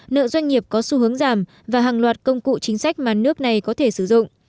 nợ doanh nghiệp có xu hướng giảm và hàng loạt công cụ chính sách mà nước này có thể sử dụng